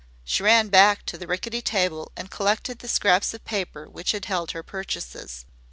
She ran back to the rickety table and collected the scraps of paper which had held her purchases.